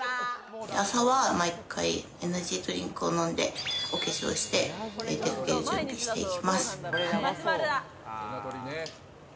朝は毎回エナジードリンクを飲んで、お化粧して、出掛ける準備していきます。